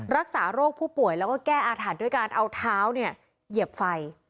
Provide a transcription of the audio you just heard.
รักษาโรคผู้ป่วยแล้วก็แก้อาถรรพ์ด้วยการเอาเท้าเนี่ยเหยียบไฟ